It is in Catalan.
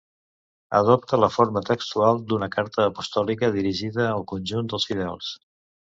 Adopta la forma textual d'una carta apostòlica dirigida al conjunt dels fidels.